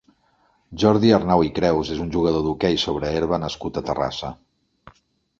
Jordi Arnau i Creus és un jugador d'hoquei sobre herba nascut a Terrassa.